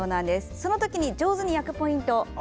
そのときに上手に焼くポイント。